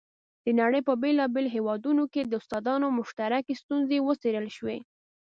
د نړۍ په بېلابېلو هېوادونو کې د استادانو مشترکې ستونزې وڅېړل شوې.